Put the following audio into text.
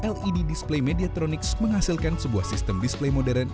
led display mediatronics menghasilkan sebuah sistem display modern